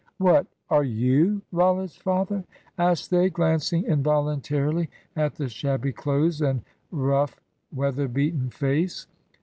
"What! Are you Rollitt's father?" asked they, glancing involuntarily at the shabby clothes and rough, weatherbeaten face.